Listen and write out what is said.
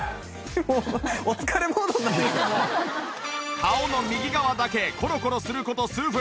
顔の右側だけコロコロする事数分。